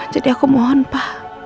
jadi aku mohon pa